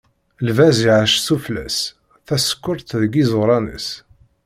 Lbaz iɛac sufella-s, tasekkurt deg yiẓuran-is.